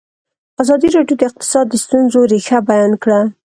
ازادي راډیو د اقتصاد د ستونزو رېښه بیان کړې.